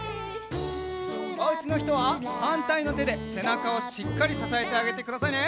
おうちのひとははんたいのてでせなかをしっかりささえてあげてくださいね。